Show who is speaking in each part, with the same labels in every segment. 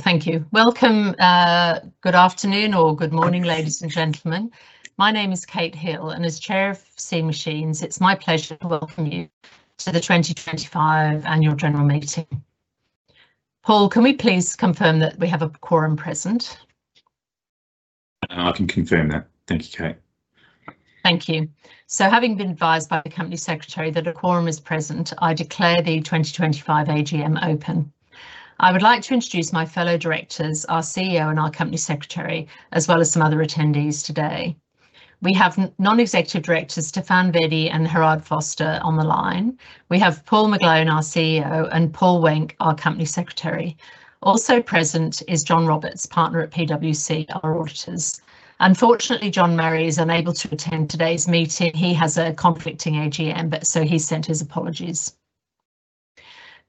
Speaker 1: Thank you. Welcome, good afternoon or good morning, ladies and gentlemen. My name is Kate Hill, and as Chair of Seeing Machines, it's my pleasure to welcome you to the 2025 Annual General Meeting. Paul, can we please confirm that we have a quorum present?
Speaker 2: I can confirm that. Thank you, Kate.
Speaker 1: Thank you. Having been advised by the Company Secretary that a quorum is present, I declare the 2025 AGM open. I would like to introduce my fellow directors, our CEO and our Company Secretary, as well as some other attendees today. We have non-executive directors Stephane Verdy and Harad Foster on the line. We have Paul McGlone, our CEO, and Paul Wenk, our Company Secretary. Also present is John Roberts, partner at PwC, our auditors. Unfortunately, John Murray is unable to attend today's meeting. He has a conflicting AGM, so he sent his apologies.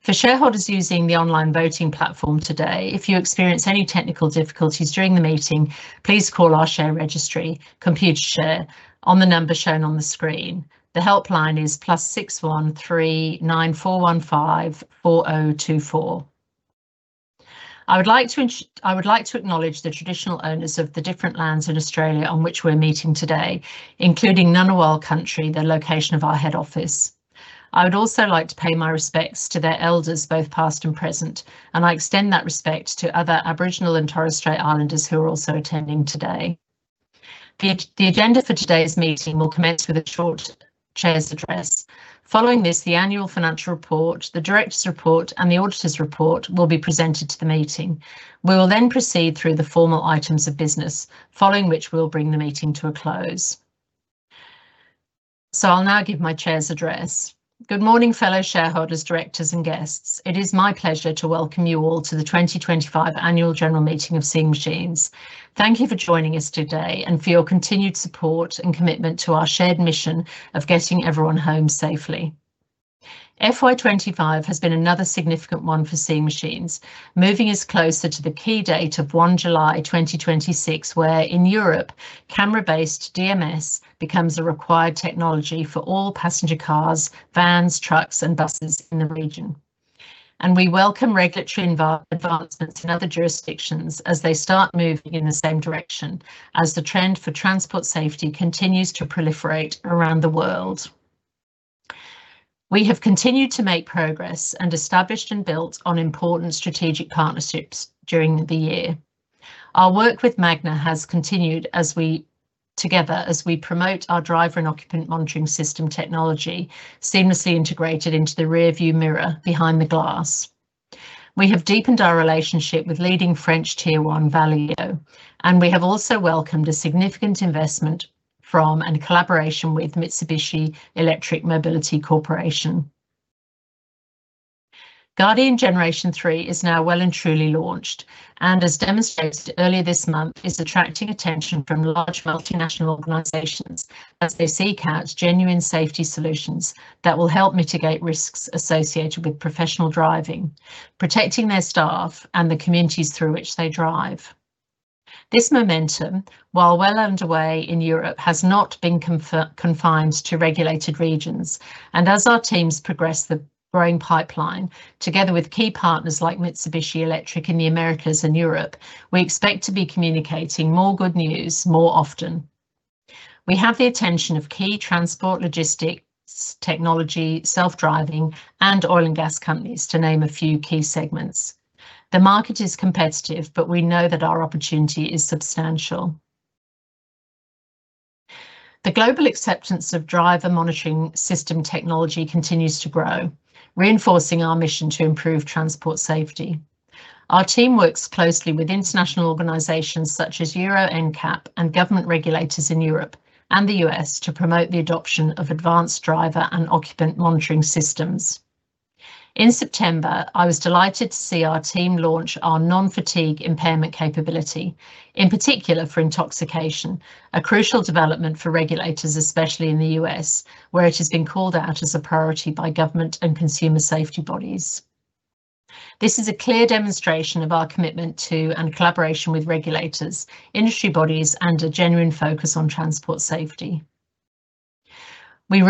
Speaker 1: For shareholders using the online voting platform today, if you experience any technical difficulties during the meeting, please call our share registry, Computershare, on the number shown on the screen. The helpline is +61 3 9415 4024. I would like to acknowledge the traditional owners of the different lands in Australia on which we're meeting today, including Ngunnawal Country, the location of our head office. I would also like to pay my respects to their elders, both past and present, and I extend that respect to other Aboriginal and Torres Strait Islanders who are also attending today. The agenda for today's meeting will commence with a short Chair's address. Following this, the Annual Financial Report, the Director's Report, and the Auditor's Report will be presented to the meeting. We will then proceed through the formal items of business, following which we will bring the meeting to a close. I'll now give my Chair's address. Good morning, fellow shareholders, directors, and guests. It is my pleasure to welcome you all to the 2025 Annual General Meeting of Seeing Machines. Thank you for joining us today and for your continued support and commitment to our shared mission of getting everyone home safely. FY2025 has been another significant one for Seeing Machines, moving us closer to the key date of 1 July 2026, where, in Europe, camera-based DMS becomes a required technology for all passenger cars, vans, trucks, and buses in the region. We welcome regulatory advancements in other jurisdictions as they start moving in the same direction, as the trend for transport safety continues to proliferate around the world. We have continued to make progress and established and built on important strategic partnerships during the year. Our work with Magna has continued together as we promote our Driver and Occupant Monitoring System technology seamlessly integrated into the rearview mirror behind the glass. We have deepened our relationship with leading French tier one Valeo, and we have also welcomed a significant investment from and collaboration with Mitsubishi Electric Mobility Corporation. Guardian Generation 3 is now well and truly launched and, as demonstrated earlier this month, is attracting attention from large multinational organizations as they seek out genuine safety solutions that will help mitigate risks associated with professional driving, protecting their staff and the communities through which they drive. This momentum, while well underway in Europe, has not been confined to regulated regions. As our teams progress the growing pipeline, together with key partners like Mitsubishi Electric in the Americas and Europe, we expect to be communicating more good news more often. We have the attention of key transport, logistics, technology, self-driving, and oil and gas companies, to name a few key segments. The market is competitive, but we know that our opportunity is substantial. The global acceptance of driver monitoring system technology continues to grow, reinforcing our mission to improve transport safety. Our team works closely with international organizations such as Euro NCAP and government regulators in Europe and the U.S. to promote the adoption of advanced driver and occupant monitoring systems. In September, I was delighted to see our team launch our non-fatigue impairment capability, in particular for intoxication, a crucial development for regulators, especially in the U.S., where it has been called out as a priority by government and consumer safety bodies. This is a clear demonstration of our commitment to and collaboration with regulators, industry bodies, and a genuine focus on transport safety. We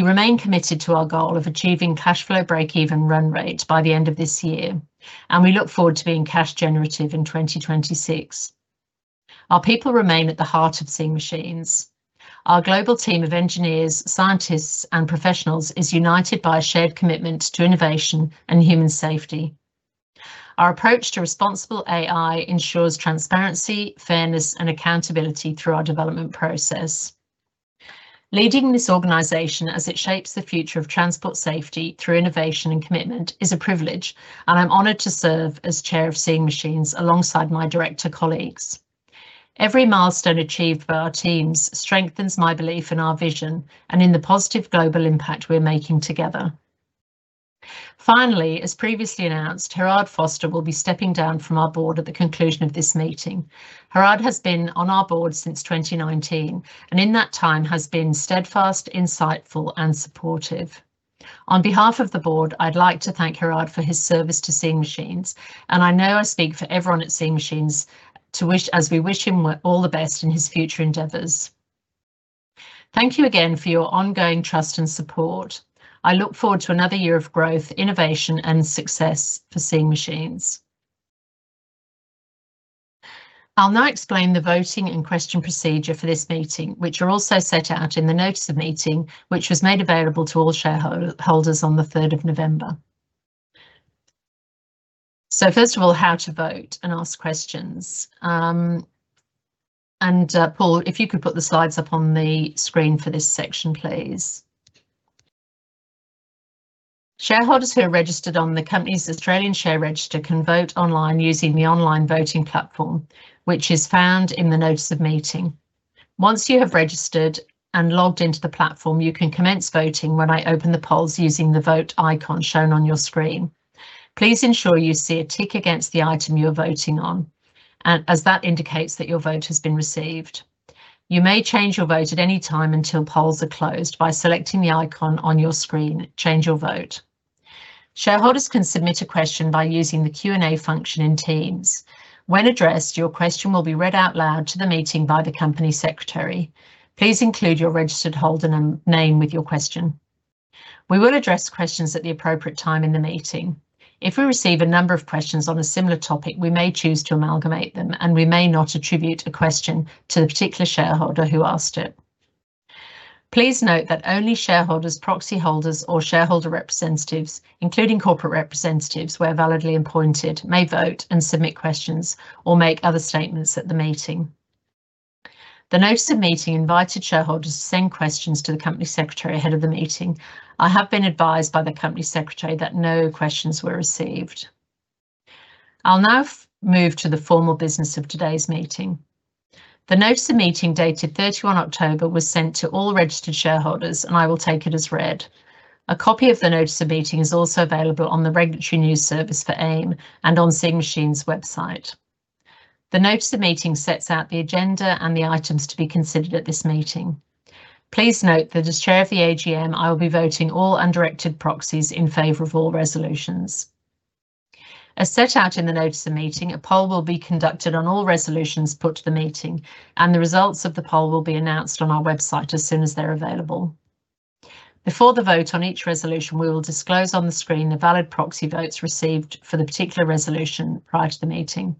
Speaker 1: remain committed to our goal of achieving cash flow break-even run rate by the end of this year, and we look forward to being cash generative in 2026. Our people remain at the heart of Seeing Machines. Our global team of engineers, scientists, and professionals is united by a shared commitment to innovation and human safety. Our approach to responsible AI ensures transparency, fairness, and accountability through our development process. Leading this organization as it shapes the future of transport safety through innovation and commitment is a privilege, and I'm honored to serve as Chair of Seeing Machines alongside my director colleagues. Every milestone achieved by our teams strengthens my belief in our vision and in the positive global impact we're making together. Finally, as previously announced, Harad Foster will be stepping down from our Board at the conclusion of this meeting. Harad has been on our Board since 2019 and, in that time, has been steadfast, insightful, and supportive. On behalf of the Board, I'd like to thank Harad for his service to Seeing Machines, and I know I speak for everyone at Seeing Machines to wish, as we wish him all the best in his future endeavors. Thank you again for your ongoing trust and support. I look forward to another year of growth, innovation, and success for Seeing Machines. I'll now explain the voting and question procedure for this meeting, which are also set out in the notice of meeting, which was made available to all shareholders on the 3rd of November. First of all, how to vote and ask questions. Paul, if you could put the slides up on the screen for this section, please. Shareholders who are registered on the Company's Australian share register can vote online using the online voting platform, which is found in the notice of meeting. Once you have registered and logged into the platform, you can commence voting when I open the polls using the vote icon shown on your screen. Please ensure you see a tick against the item you're voting on, as that indicates that your vote has been received. You may change your vote at any time until polls are closed by selecting the icon on your screen, Change Your Vote. Shareholders can submit a question by using the Q&A function in Teams. When addressed, your question will be read out loud to the meeting by the Company Secretary. Please include your registered holder name with your question. We will address questions at the appropriate time in the meeting. If we receive a number of questions on a similar topic, we may choose to amalgamate them, and we may not attribute a question to the particular shareholder who asked it. Please note that only shareholders, proxy holders, or shareholder representatives, including corporate representatives, where validly appointed, may vote and submit questions or make other statements at the meeting. The notice of meeting invited shareholders to send questions to the Company Secretary ahead of the meeting. I have been advised by the Company Secretary that no questions were received. I'll now move to the formal business of today's meeting. The notice of meeting dated 31 October was sent to all registered shareholders, and I will take it as read. A copy of the notice of meeting is also available on the regulatory news service for AIM and on Seeing Machines' website. The notice of meeting sets out the agenda and the items to be considered at this meeting. Please note that as Chair of the AGM, I will be voting all undirected proxies in favor of all resolutions. As set out in the notice of meeting, a poll will be conducted on all resolutions put to the meeting, and the results of the poll will be announced on our website as soon as they're available. Before the vote on each resolution, we will disclose on the screen the valid proxy votes received for the particular resolution prior to the meeting.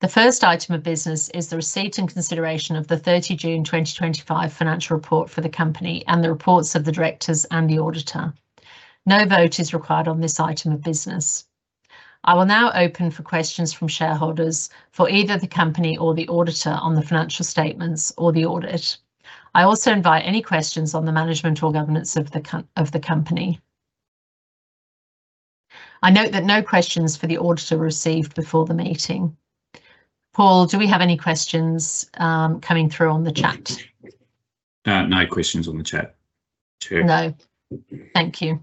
Speaker 1: The first item of business is the receipt and consideration of the 30 June 2025 financial report for the Company and the reports of the Directors and the Auditor. No vote is required on this item of business. I will now open for questions from shareholders for either the Company or the Auditor on the financial statements or the audit. I also invite any questions on the management or governance of the Company. I note that no questions for the Auditor were received before the meeting. Paul, do we have any questions coming through on the chat?
Speaker 2: No questions on the chat.
Speaker 1: No. Thank you.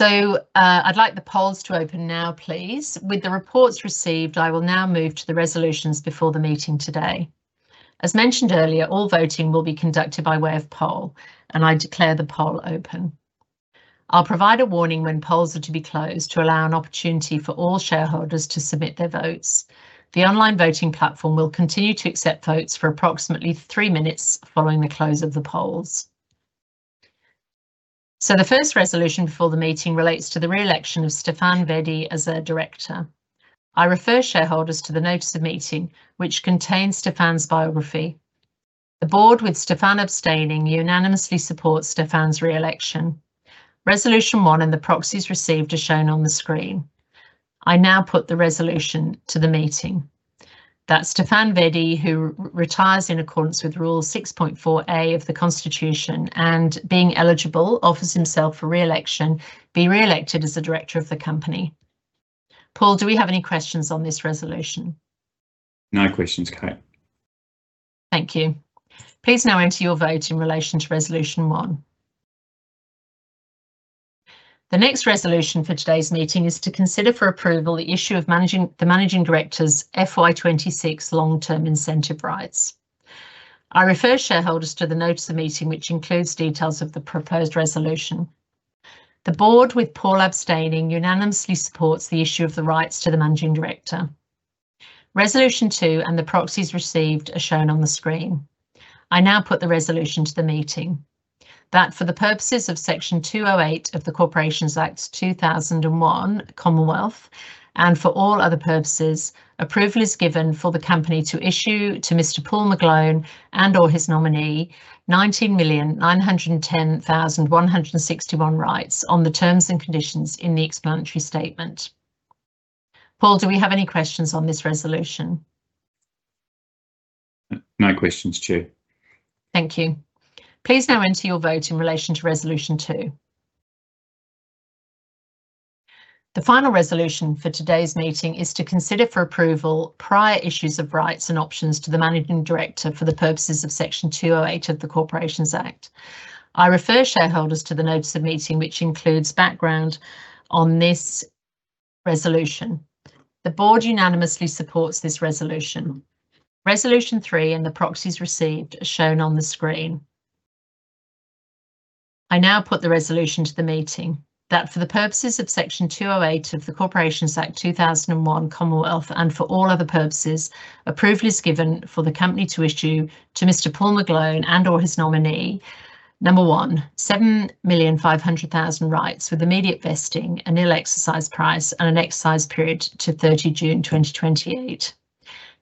Speaker 1: I would like the polls to open now, please. With the reports received, I will now move to the resolutions before the meeting today. As mentioned earlier, all voting will be conducted by way of poll, and I declare the poll open. I will provide a warning when polls are to be closed to allow an opportunity for all shareholders to submit their votes. The online voting platform will continue to accept votes for approximately three minutes following the close of the polls. The first resolution before the meeting relates to the re-election of Stephane Verdy as a Director. I refer shareholders to the notice of meeting, which contains Stephane's biography. The Board, with Stephane abstaining, unanimously supports Stephane's re-election. Resolution one and the proxies received are shown on the screen. I now put the resolution to the meeting that Stephane Verdy, who retires in accordance with Rule 6.4A of the Constitution and, being eligible, offers himself for re-election, be re-elected as a Director of the Company. Paul, do we have any questions on this resolution?
Speaker 2: No questions, Kate.
Speaker 1: Thank you. Please now enter your vote in relation to Resolution one. The next resolution for today's meeting is to consider for approval the issue of the Managing Director's FY2026 long-term incentive rights. I refer shareholders to the notice of meeting, which includes details of the proposed resolution. The Board, with Paul abstaining, unanimously supports the issue of the rights to the Managing Director. Resolution two and the proxies received are shown on the screen. I now put the resolution to the meeting that, for the purposes of Section 208 of the Corporations Act 2001, Commonwealth, and for all other purposes, approval is given for the Company to issue to Mr. Paul McGlone and/or his nominee 19,910,161 rights on the terms and conditions in the explanatory statement. Paul, do we have any questions on this resolution?
Speaker 2: No questions, Chair.
Speaker 1: Thank you. Please now enter your vote in relation to Resolution two. The final resolution for today's meeting is to consider for approval prior issues of rights and options to the Managing Director for the purposes of Section 208 of the Corporations Act. I refer shareholders to the notice of meeting, which includes background on this resolution. The Board unanimously supports this resolution. Resolution three and the proxies received are shown on the screen. I now put the resolution to the meeting that, for the purposes of Section 208 of the Corporations Act 2001, Commonwealth, and for all other purposes, approval is given for the Company to issue to Mr. Paul McGlone and/or his nominee number one, 7,500,000 rights with immediate vesting, an ill-exercised price, and an exercise period to 30 June 2028.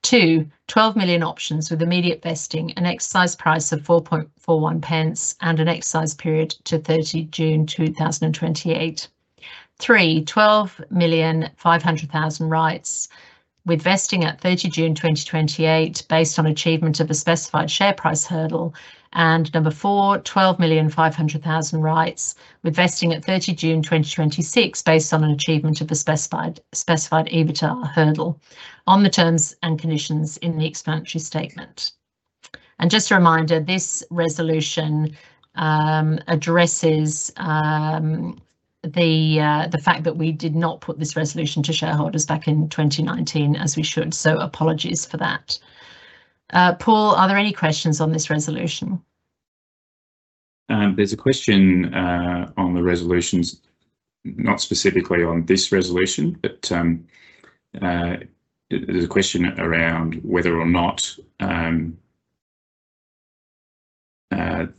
Speaker 1: Two, 12 million options with immediate vesting, an exercise price of 0.0441, and an exercise period to 30 June 2028. Three, 12,500,000 rights with vesting at 30 June 2028 based on achievement of the specified share price hurdle. Four, 12,500,000 rights with vesting at 30 June 2026 based on achievement of the specified EBITDA hurdle on the terms and conditions in the explanatory statement. Just a reminder, this resolution addresses the fact that we did not put this resolution to shareholders back in 2019, as we should. Apologies for that. Paul, are there any questions on this resolution?
Speaker 2: There's a question on the resolutions, not specifically on this resolution, but there's a question around whether or not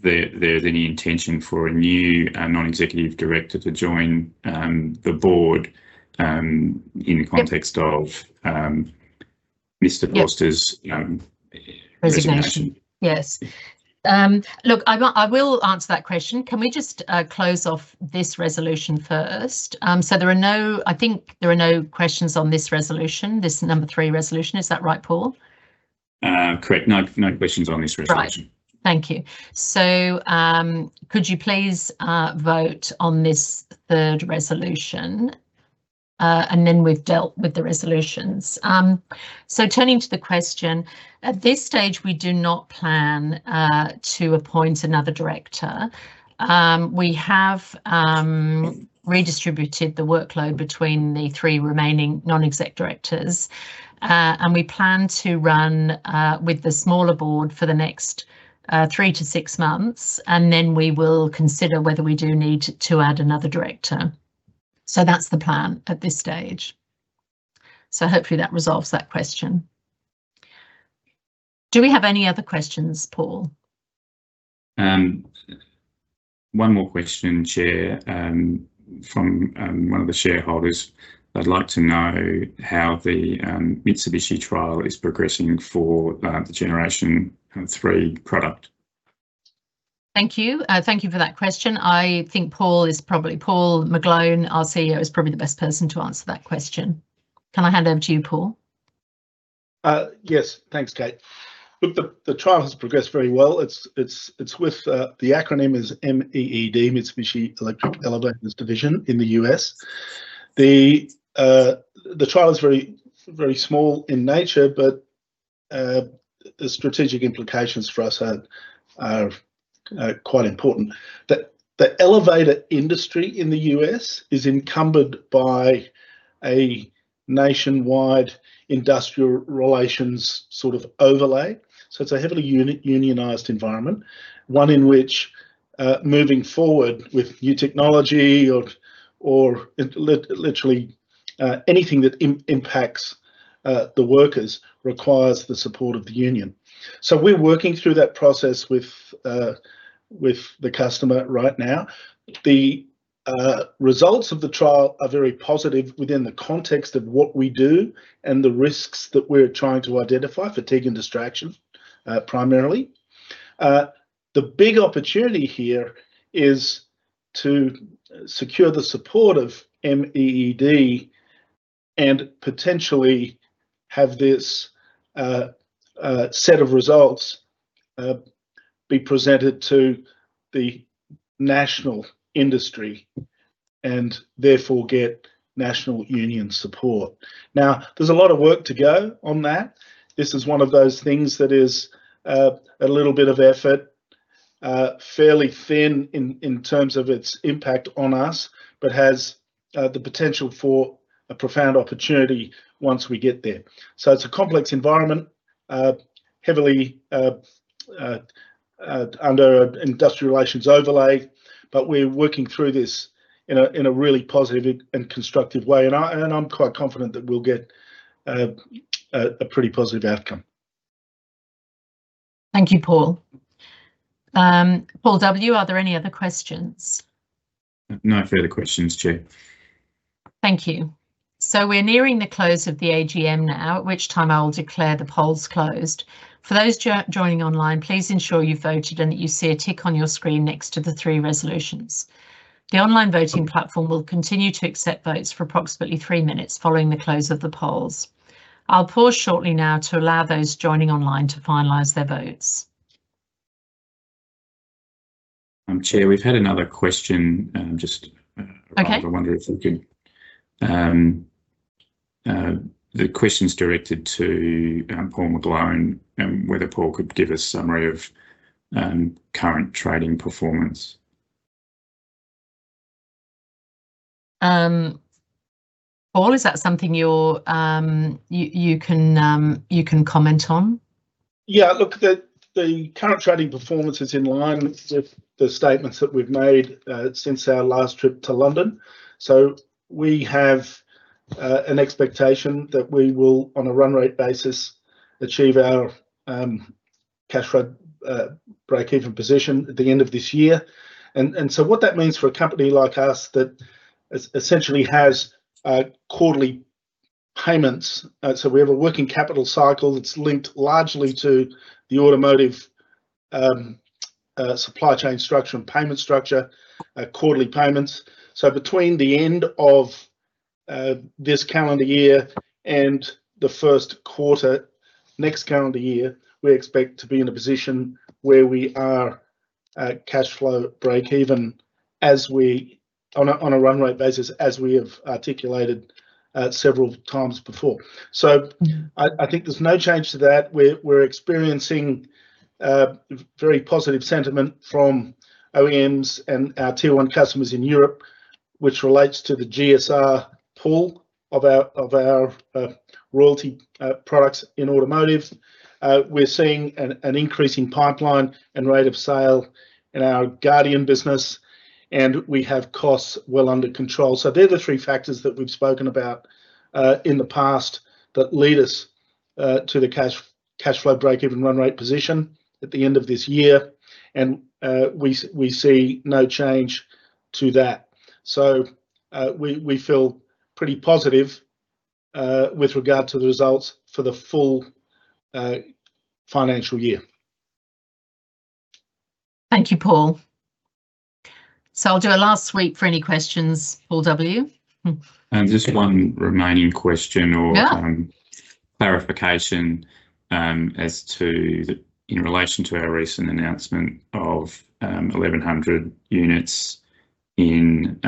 Speaker 2: there's any intention for a new non-executive director to join the Board in the context of Mr. Paul's resignation.
Speaker 1: Yes. Look, I will answer that question. Can we just close off this resolution first? I think there are no questions on this resolution, this number three resolution. Is that right, Paul?
Speaker 2: Correct. No questions on this resolution.
Speaker 1: Thank you. Could you please vote on this third resolution? Then we have dealt with the resolutions. Turning to the question, at this stage, we do not plan to appoint another director. We have redistributed the workload between the three remaining non-exec directors, and we plan to run with the smaller Board for the next three to six months, and then we will consider whether we do need to add another director. That is the plan at this stage. Hopefully, that resolves that question. Do we have any other questions, Paul?
Speaker 2: One more question, Chair, from one of the shareholders. I'd like to know how the Mitsubishi trial is progressing for the Generation 3 product.
Speaker 1: Thank you. Thank you for that question. I think Paul McGlone, our CEO, is probably the best person to answer that question. Can I hand over to you, Paul?
Speaker 3: Yes. Thanks, Kate. Look, the trial has progressed very well. The acronym is MEED, Mitsubishi Electric Elevators Division, in the U.S. The trial is very small in nature, but the strategic implications for us are quite important. The elevator industry in the U.S is encumbered by a nationwide industrial relations sort of overlay. It is a heavily unionized environment, one in which moving forward with new technology or literally anything that impacts the workers requires the support of the union. We are working through that process with the customer right now. The results of the trial are very positive within the context of what we do and the risks that we are trying to identify, fatigue and distraction, primarily. The big opportunity here is to secure the support of MEED and potentially have this set of results be presented to the national industry and therefore get national union support. Now, there's a lot of work to go on that. This is one of those things that is a little bit of effort, fairly thin in terms of its impact on us, but has the potential for a profound opportunity once we get there. It is a complex environment, heavily under an industrial relations overlay, but we're working through this in a really positive and constructive way, and I'm quite confident that we'll get a pretty positive outcome.
Speaker 1: Thank you, Paul. Paul W., are there any other questions?
Speaker 2: No further questions, Chair.
Speaker 1: Thank you. We are nearing the close of the AGM now, at which time I will declare the polls closed. For those joining online, please ensure you have voted and that you see a tick on your screen next to the three resolutions. The online voting platform will continue to accept votes for approximately three minutes following the close of the polls. I will pause shortly now to allow those joining online to finalize their votes.
Speaker 2: Chair, we've had another question. I just wonder if we could—the question's directed to Paul McGlone, whether Paul could give a summary of current trading performance.
Speaker 1: Paul, is that something you can comment on?
Speaker 3: Yeah. Look, the current trading performance is in line with the statements that we've made since our last trip to London. We have an expectation that we will, on a run rate basis, achieve our cash break-even position at the end of this year. What that means for a company like us that essentially has quarterly payments—we have a working capital cycle that's linked largely to the automotive supply chain structure and payment structure, quarterly payments. Between the end of this calendar year and the first quarter next calendar year, we expect to be in a position where we are cash flow break-even on a run rate basis, as we have articulated several times before. I think there's no change to that. We're experiencing very positive sentiment from OEMs and our tier one customers in Europe, which relates to the GSR pool of our royalty products in automotive. We're seeing an increasing pipeline and rate of sale in our Guardian business, and we have costs well under control. They are the three factors that we've spoken about in the past that lead us to the cash flow break-even run rate position at the end of this year, and we see no change to that. We feel pretty positive with regard to the results for the full financial year.
Speaker 1: Thank you, Paul. I'll do a last sweep for any questions, Paul W.
Speaker 2: Just one remaining question or clarification as to, in relation to our recent announcement of 1,100 units in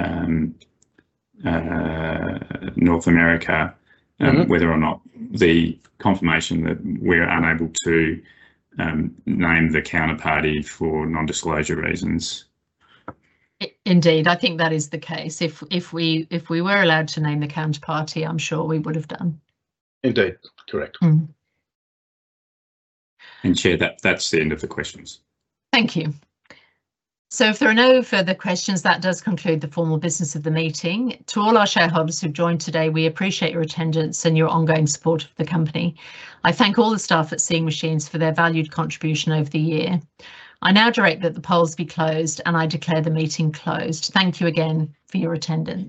Speaker 2: North America, whether or not the confirmation that we're unable to name the counterparty is for non-disclosure reasons.
Speaker 1: Indeed. I think that is the case. If we were allowed to name the counterparty, I'm sure we would have done.
Speaker 3: Indeed. Correct.
Speaker 2: Chair, that's the end of the questions.
Speaker 1: Thank you. If there are no further questions, that does conclude the formal business of the meeting. To all our shareholders who've joined today, we appreciate your attendance and your ongoing support of the company. I thank all the staff at Seeing Machines for their valued contribution over the year. I now direct that the polls be closed, and I declare the meeting closed. Thank you again for your attendance.